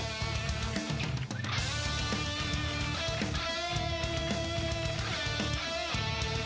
นี่ครับหัวมาเจอแบบนี้เลยครับวงในของพาราดอลเล็กครับ